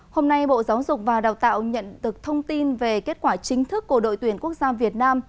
hôm nay bộ giáo dục và đào tạo nhận được thông tin về kết quả chính thức của đội tuyển quốc gia việt nam